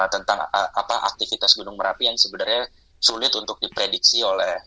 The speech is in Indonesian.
tentang aktivitas gunung merapi yang sebenarnya sulit untuk diprediksi oleh